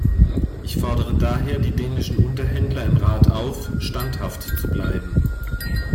Ich fordere daher die dänischen Unterhändler im Rat auf," standhaft zu bleiben" .